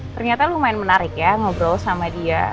ternyata lumayan menarik ya ngobrol sama dia